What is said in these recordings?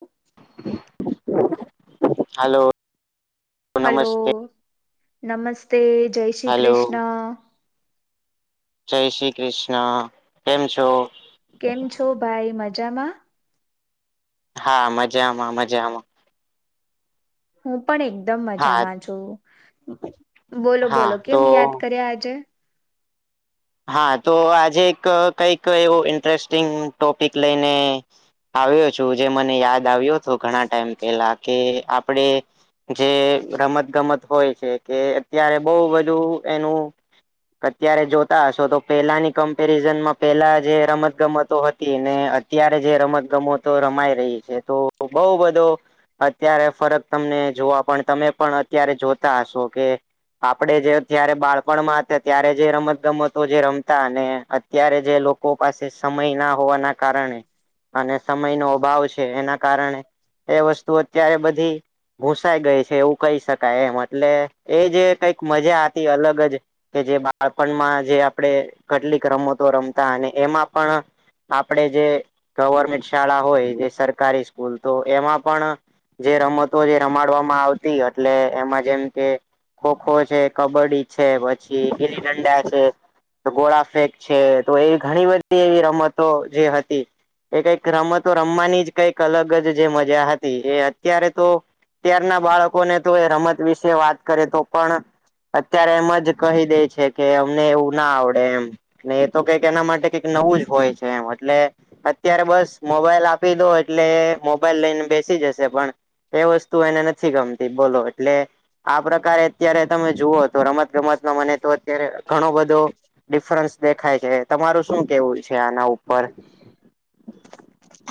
હ [unintelligible] હાલો. હલો નમસ્તે જય શ્રી હલો કૃષ્ણ જય શ્રી કૃષ્ણ કેમ છો. કેમ છો ભાઈ મજામાં. હા મજામાં મજામાં. હું પણ એકદમ હા મજામાં છું બોલો હા બોલો તો કેમ યાદ કર્યા આજે હા તો આજે એક કઈક એવું ઇન્ટરેસ્ટિંગ ટોપિક લઈને આવ્યો છું જે મને યાદ આવ્યો હતો ઘણા ટાઈમ પેલા કે આપણે જે રમત ગમત હોય છે કે અત્યારે બહુ બધું એનું. અત્યારે જો. તાશ હતો પેલાની કમ્પેરિઝનમાં પેલા જે રમત ગમતો હતી ને અત્યારે જે રમતગમતો રમાઈ રહી છે તો બહુ બધો. અત્યારે ફરક તમને જોવા પણ તમે પણ અત્યારે જોતા હશો કે આપડે જે અત્યારે બાળપણમાં હતા ત્યારે જે રમત ગમતો જે રમતા અને અત્યારે જે લોકો પાસે સમય ના હોવાના કારણે અને સમયનો અભાવ છે એના કારણે એ વસ્તુ અત્યારે બધી ભૂસાઈ ગઈ છે એવું કહી શકાય એમ એટલે એ જે કઈક મજા હતી અલગ જ કે જે બાળપણમાં જે આપણે કેટલીક રમતો રમતા અને એમાં પણ આપણેે જે ગવર્મેન્ટ શાળા હોય જે સરકારી સ્કૂલ તો એમાં પણ જે રમતો જે રમાડવામાં આવતી એટલે એમાં જેમ કે ખોખો છે કબડ્ડી છે પછી ગીલી ડંડા છે ગોળ ફેક છે તો એવી ઘણી બધી એવી રમતો જે હતી. એ કઈક રમતો રમવાની જ કંઈક અલગ જ જે મજા હતી એ અત્યારે તો અત્યારના બાળકોને તો એ રમત વિશે વાત કરે તો પણ અત્યારે એમ જ કહી દે છે. કે અમને એવું ના આવડે એમ એ તો કઈક એના માટે કઈક નવું જ હોય છે એમ એટલે અત્યારે બસ મોબાઈલ આપી દો એટલે મોબાઈલ લઈને બેસી જશે પણ એ વસ્તુ એને નથી ગમતી બોલો એટલે આ પ્રકારે અત્યારે તમે જુઓ તો રમત ગમતમાં મને તો અત્યારે ઘણો બધો ડિફરન્સ દેખાય છે તમારું શું કેવું. છે આના ઉપર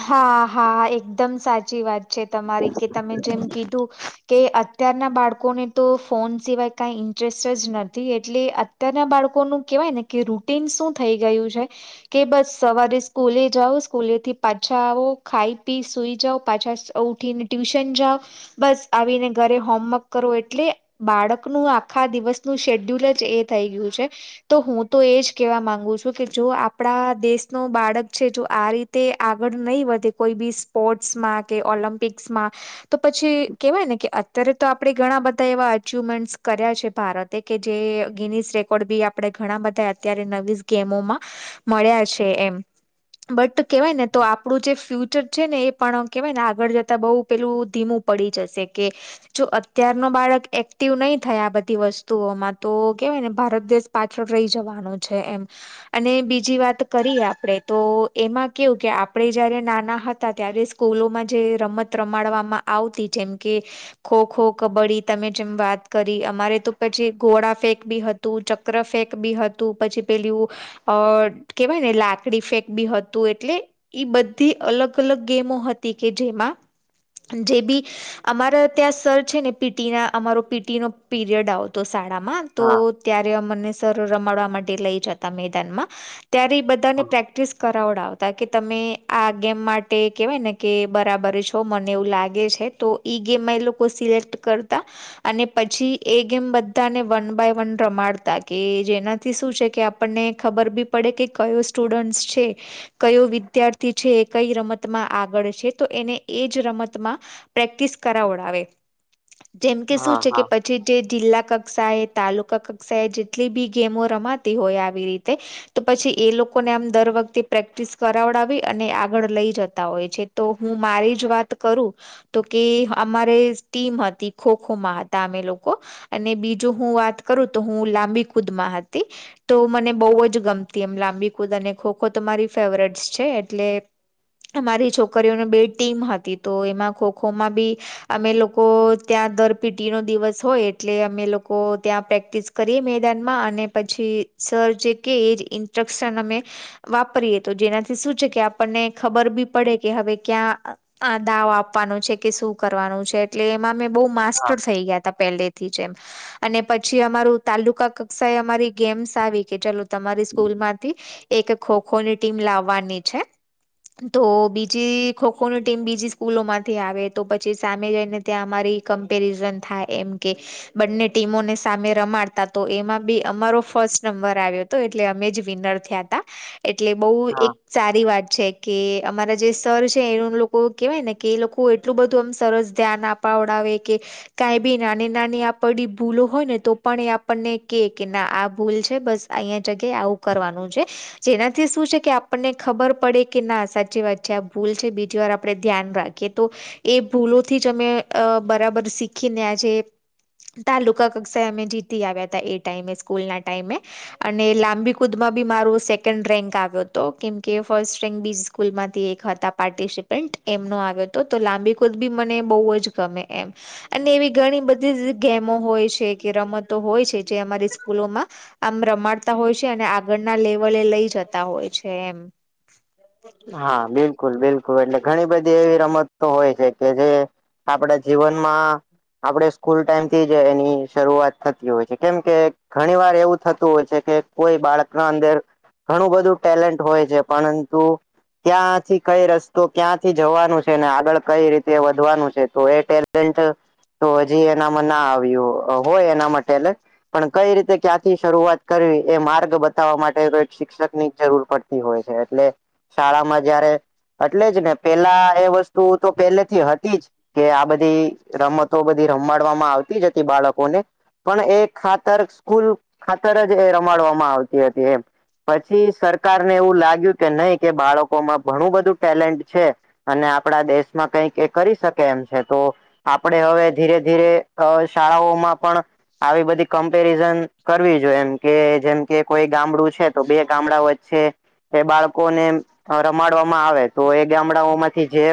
હા હા એકદમ સાચી વાત છે તમારી કે તમે જેમ કીધું. કે અત્યારના બાળકોને તો ફોન સિવાય કાંઈ ઇન્ટરેસ્ટ જ નથી એટલે અત્યારના બાળકોનું હું કેવાય ને કે રૂટીન શું થઈ ગયું છે કે બસ સવારે સ્કૂલે જાઓ સ્કૂલે થી પાછા આવો ખાઈ પી સુઈ જાઓ પાછા ઉઠીને ટ્યુશન જાઓ બસ આવીને ઘરે હોમવર્ક કરવો એટલે બાળકનું આખા દિવસનું શેડ્યુલ જ એ થઈ ગયું છે. તો હું તો એજ કેવા માંગુ છું કે જો આપણા દેશ ન બાળક છે જો આ રીતે આગળ નહીં વધે કોઈ બી સ્પોર્ટ્સમાં કે ઓલમ્પિક્સમા તો પછી કેવાય ને કે અત્યારે તો આપણેે ઘણા બધા એવા અચવમેન્ટ કર્યા છે, ભારત કે જે ગિનીસ રેકોર્ડ બી આપે ઘણા બધા અત્યારે નવી ગેમોમા મળ્યા છે, એમ બટ કેવાય ને તો આપણું જે ફ્યુચર છે ને એ પણ કેવાય ને આગળ જતા બઉુ પેલું ધીમું પડી જશે કે જો અત્યાર ન બાળક એક્ટિવ નહી થયા આ બધી વસ્તુઓમાં તો કેવાય ને ભારત દેશ પાત્ર રહી જવાનો છે, એમ અને બીજી વાત કરીએ આપડણે તો એમાં કેવું કે આપણે જયારે નાના હતા ત્યારે સ્કૂલોમાં જે રમત રમાડવામાં આવતી જેમ કે ખો ખો કબડ્ડી તમે જેમ વાત કરી અમારે તો પછી ઘોડા ફેક બી તું ચક્ર ફેંક બી હતુ, પછી પેલ અ કેવાય ને લાકડી ફેક બી હતુ એટલે ઈ બધી અલગ અલગ ગેમો હતી કે જેમા જે બી અમારા ત્યાં સર છે ને પીટી ના અમારો પીટી નો પીરિયડ આવતો શાળામા તો હા ત્યારે મને સર રમાડવા માટે લઈ જતા મેદાનમા ત્યારે એ બધાને હા પ્રેક્ટિસ કરાવડાવતા કે તમે આ ગેમ માટે કેવાય ને કે બરાબર છો મને એવું લાગે છે, તો ઈ ગેમ એ લોકો સિલેક્ટ કરતા અને પછી એ ગેમ બધાને વન બાય વન રમાડતા કે જેનાથી શું છે, કે આપને ખબર બી પડે કે કયો સ્ટુડન્ટ છે, કયો વિ અત્યારથી છે એ કઈ રમતમાં આગળ છે, તો એને એ જ રમતમા પ્રેક્ટિસ કરાવાવડાવે જેમ કે શું હા છે, કે હા પછી જે જે જિલ્લા કક્ષાએ તાલુકા કક્ષાએ જેટલી બી ગેમો રમાતી હોય, આવી રીતે તો પછી એ લોકોને આમ દર વખતે પ્રેક્ટિસ કર ડાવ અને આગળ લઈ જતા હોય છે, તો હું મારી જ વાત કરુ તો કે અમારે ટીમ હતી ખોખો માં હતા અમે લોકો અને બીજું હુ વાત કરુ તો હુ લાબી કુદમા હતી. તો મને બહુ જ ગમતી એમ લાંબી કૂદ અને ખો ખો તો મારી ફેવરેટ્સ છે, એટલે અમારી છોકરીઓને બે ટીમ હતી તો એમાં ખોખોમાં બી અમે લોકો ત્યાં દર પિટી નો દિવસ હોય એટલે અમે લોકો ત્યાં પ્રેક્ટિસ કરીએ મેદાનમાં અને પછી સર જે કે એ જ ઇન્સ્ટ્રક્શન અમે વાપરીએ તો જેનાથી શું છે કે આપણને ખબર બી પડે કે હવે ક્યા આ દાવો આપવાનો છે કે શું કરવાનું છે, એટલે એમાં મેં બહુ માસ્ટર થઈ ગયા હતા પહેલે જેમ અને પછી અમારું તાલુકા કક્ષા એ અમારી ગેમ્સ આવી કે ચાલ તમારી સ્કૂલ માંથી એક ખો ખો ની ટીમ લાવવાની છે. તો બીજી ખોખો ન ટીમ બીજી સ્કૂલો માંથી આવે તો પછી સામે જઈને. ત્યાં અમારી કમ્પેરિઝન થાય એમ કે બંને ટીમોને સામે રમાડતા તો એમાં બી અમારો ફર્સ્ટ નંબર આવ્યો હતો. એટલે અમે જ વિનર થયા ત એટલે બહ હા એક સારી વાત છે કે અમારા જે સ્તર છે, એનુ લોકો કેહેવાય ને કે એ લોકો. એટલું બધું આમ સરસ ધ્યાન આપાવડાવે કે કાંઈ બી નાની નાની આપ ભૂલો હોય, ને તો પણ એ આપણને કે કે ના આ ભૂલ છે બસ અહીંયા જગ્યાએ આવું કરવાનું છે જેનાથી શું છે કે આપણને ખબર પડે કે ના સાચી વાત છે, આ ભૂલ છે બીજી વાર આપણે ધ્યાન રાખીએ તો એ ભૂલોથી જ અમે બરાબર શીખીનેજ તાલુકા કક્ષાએ અમે જીતી આવ્યા અતા એ ટાઈમે સ્કૂલના ટાઈમે. અને લાંબી કુદ માં બી મારુ સેકન્ડ રેન્ક આવ્યો. તો કેમકે ફસ્ટ રેંક બી સ્કૂલમાંથી એક હતા પાર્ટિસિપન્ટ એમનો આવ્યો. તો તો લાંબી કુદ બી મને બઉં જ ગમે એમ. અને એવી ઘણી બધી ઝ ગેમો હોય સે કે રમતો હોય છે જે અમારી સ્કૂલોમાં. આમ રમાડતા હોય સે અને આગળના લેવલે લઈ જતા હોય છે એમ. હા, બેન. બિલકુલ બિલકુલ એલે ઘણી બધી એવી રમતો હોય છે, કે જે આપડા જીવનમાં આપણેે સ્કૂલ ટાઈમથી જ એની શરૂઆત થતી હોય છે કેમ કે ઘણી વાર એવું થતું હોય છે, કે કોઈ બાળકના અંદર ઘણું બધું ટેલેન્ટ હોય છે, પળંતુ ક્યાંથી કઈ રસ્તો, ક્યાંથી જવાનું છે, ને આગળ કઈ રીતે વધવાનું છે તો એ ટેલેન્ટ તો હજી એનામાં ના આવ્યું, હોય એના મા ટેલે પણ કઈ રીતે ક્યાંથી શરૂઆત કરવી, એ માર્ગ બતાવવા માટે તોઈ શિક્ષક ની જરૂર પડ તી હોય સે એટલે શાળામાં જયારે અટલે જ ને પેલા એ વસ્તુ તો પેલેથી હતી જ. કે આ બધી રમતો બધી રમમાડવામાં આવતી જ હતી બાળકોને. પણ એ ખાતર સ્કૂલ ખાતર જ એ રમાડવામાં આવતી હતી એમ. પછી સરકારને એવુ લાગ્યું, કે નહીં કે બાળકોમાં ઘણું બધું ટેલેન્ટ છે. અને આપડણા દેશમાં કઈક એ કરી શકે એમ છે તો આપડણેે હવે ધીરે ધીરે અ શાળાઓમાં પણ આવી બધી કમ્પેરિઝન કરવી જોઈએ, એમ કે જેમ કે કોઈ ગામડું છે તો બે ગામડા વચ્ચે એ બાળકોને મ્મ રમાડવામાં આવે તો એ ગામડાઓમાંથી જે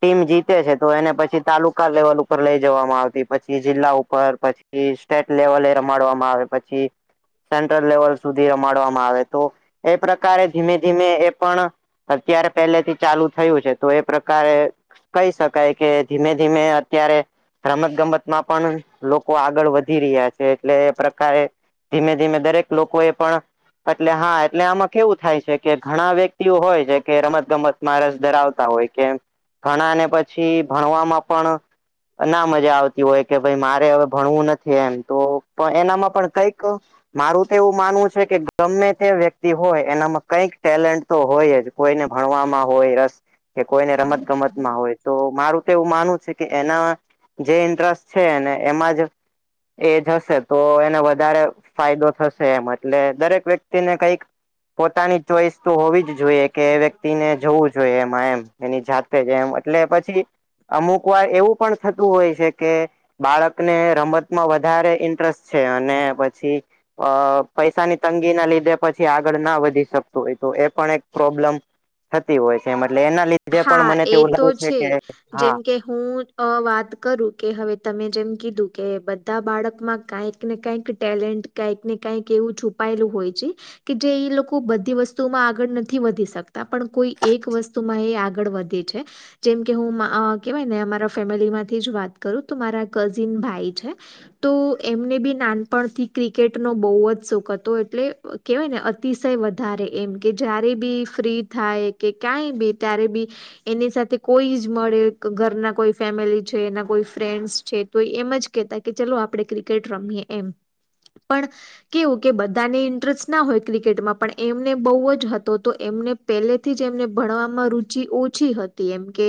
ટીમ જીતે છે તો એને પછી તાલુકા લેવલ ઉપર લઈ જવામાં આવતી, પછી જિલ્લા ઉપર, પછી એ સ્ટેટ લેવલે રમાડવામાં આવે પછી સેન્ટ્રલ લેવલ સુધી રમાડવામાં આવે તો એ પ્રકારે ધીમે ધીમે એ પણ અત્યારે પેલેથી ચાલુ થયું છે, તો એ પ્રકારે કઈ સકાય કે ધીમે ધીમે અત્યારે રમત ગમતમાં પણ લોકો આગળ વધી રીયા છે એટલે એ પ્રકારે ધીમે ધીમે દરેક લોકો એ પણ એટલે હા એટલે આમાં કેવું થાય સે. કે ઘણા વ્યક્તિઓ હોય જે કે રમત ગમતમાં રસ ધરાવતા હોય કે ઘણા ને પછી ભણવામાં પણ ના મજા આવતી ઓય કે ભઈ મારે હવે ભણવું નથી એમ તો પણ એનામાં પણ કઈક મારુ તો એવું માનવું સે કે ગમે તે વ્યક્તિ હોય એનામાં કઈક ટેલેન્ટ તો હોયે જ. કોઈને ભણવામાં હોય રસ કે કોઈને રમત ગમતમાં હોય. તો મારુ તો એવું માનવુ છે કે એના જે ઇન્ટ્રરસ્ટ છે ને એમાં જ એજ હશે તો એને વધારે ફાયદો થશે એમ અટલે દરેક વ્યક્તિને કઈક પોતાની ચોઈસ તો હોવી જ જોઈએ, કે વ્યક્તિને જવું જોઈએ એમાં એમ. એની જાતે જ એમ એટલે પછી અમુક વાર એવું પણ થતું હોય છે કે બાળકને રમત માં વધારે ઇન્ટ્રસ્ટ છે અને પછી અ પઈસાની તંગી ના લીધે પછી આગળ ના વધી શક ક્તુ ઓય તો એ પણ એક પ્રોબ્લેમ થતી હોય સે મલે એના લી જે પણ હા મને એ તેવું લાવે તો છે કે, હા જેમ કે હું જ અ વાત કરું કે હવે તમે જેમ કીધું, કે બધા બાળકમાં કઈક ને કઈક ટેલેન્ટ કઈક ને કઈક એવું છુપાયેલું હોય છે. કે જે એ લોકો બધી વસ્તુમાં આગળ નથી વધી શકતા પણ કોઈ એક વસ્તુ એ આગળ વધે છે. જેમ કે હું કેવાય ને અમારા ફેમિલી માંથી જ વાત કરું તો મારા કઝિન ભાઈ છે. તો એમને બી નાનપણથી ક્રિકેટનોો બહુ જ શોખ હતો એટલે કહેવાય ને અતિશય વધારે એમ કે જ્યારે બી ફ્રી થાય કે ક્યાંય બી. ત્યારે બી. એની સાથે કોઈ જ મળે ઘરના કોઈ ફેમિલી છે એના કોઈ ફ્રેન્ડસ છે. તો એમ જ કેતા કે ચલો આપણે ક્રિકેટ રમીએ એમ, પણ કેવું કે બધાને ઇન્ટરેસ્ટ ના હોય ક્રિકેટમાં પણ એમને બહુ જ હતો તો એમને પહેલેથી જ એમને ભણવામાં રુચિ ઓછી હતી એમ કે.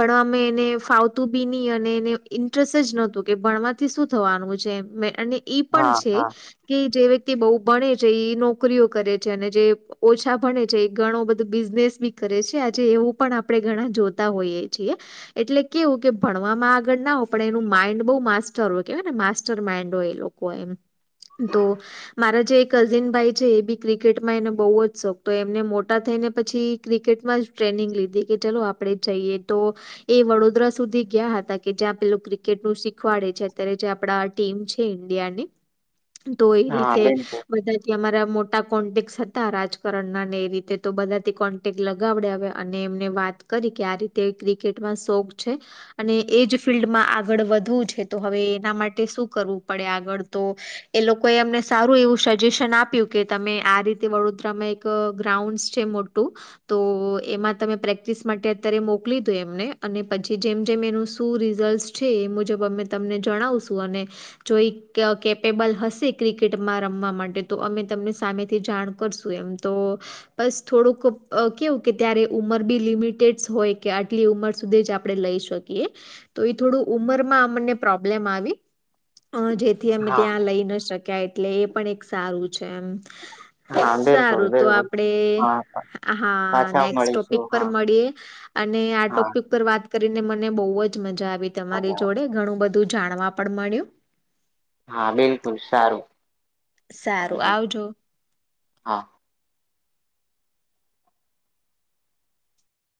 ભણવામાં એને ફાવતું બી નહી અને એને ઇન્ટરેસ્ટ જ નહોતું કે ભણવા થી શું થવાનું છે અને ઈ પણ હા છે. હા કે જે વ્યક્તિ બહુ ભણે છે એ નોકરીઓ કરે છે અને જે ઓછા ભણે છે ઘણો બધો બિઝનેસ બી કરે છે. જે એવું પણ આપણે ઘણા જોતા હોઈએ છીએ. એટલે કેવું કે ભણવામાં આગળ ના હોય પણ એનું માઇન્ડ બહુ માસ્ટર હોય કેવાય ને માસ્ટર માઇન્ડ હોય એ લોકો. કો એમ, તો મારા જે એક કઝિન ભાઈ છે એ બી ક્રિકેટમાં એને બહુ જ શોખ તો એમને મોટા થઈ ને પછી ક્રિકેટમાં જ ટ્રેનિંગ લીધી કે ચલો આપણે જઈએ તો એ વડોદરા સુધી ગયા હતા કે જ્યાં પેલું ક્રિકેટ નું શીખવાડે છે અત્યારે જે આપડા ટીમ છે ઇન્ડિયાની. [inaudible] તો એ હા રીતે, બિલકુલ બધા ત્યા અમારા મોટા કોન્ટેક હતા રાજકારણ ના ને એ રીતે તો બધાથી કોન્ટેક્ટ લગાવડે હ્યા. અને એમને વાત કરી કે આ રીતે ક્રિકેટમાં શોખ છે. અને એજ ફિલ્ડમાં આગળ વધવું છે તો હવે એના માટે શું કરવું પડે આગળ તો. એ લોકો એ અમને સારું એવું સજેશન આપ્યું કે તમે આ રીતે વડોદરામાં ગ્રાઉન્ડ છે મોટું, તો એમાં તમે પ્રેક્ટિસ માટે અત્યારે મોકલી દો એમને અને પછી જેમ જેમ એનું શું રિઝલ્ટ છે એ મુજબ અમે તમને જણાવશું અને જોઈ કેપેબલ હશે ક્રિકેટમાં રમવા માટે તો અમે તમને સામેથી જાણ કરશું એમ. તો, બસ થોડુંક કેવું કે ત્યારે ઉંમર બી લિમિટેડ હોય કે આટલી ઉંમર સુધી જ આપણે લઈ શકીએ. તો એ થોડું ઉમર માં મને પ્રોબ્લેમ આવી, જે થી અમે હા ત્યાં લઈ ન શક્યા એટલે એ પણ એક સારું છે એમ. હા બિલકુલ સારું તો બિલકુલ આપડે હા હા. પાછા ટોપિક મળીશું પર હા મળીએ, અને આ હા ટોપિક પર વાત કરીને મને બહ જ મજા આવી. તમારી જોડે ઘણું બધું જાણવા પણ મળ્યું. હા બિલકુલ સારુંજ સારું આવજો હા.